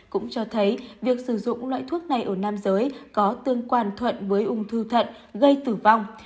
cũng cho thấy việc sử dụng loại thuốc này ở nam giới có tương quan thuận với ung thư thận gây tử vong